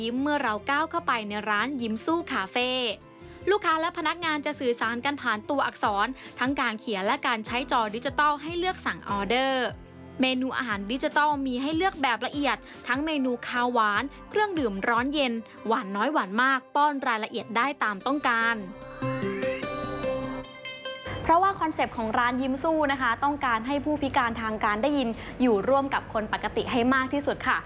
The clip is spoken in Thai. เพราะว่าคอนเซ็ปต์ของร้านยิ้มสู้นะคะต้องการให้ผู้พิการทางการได้ยินอยู่ร่วมกับคนปกติให้มากที่สุดค่ะ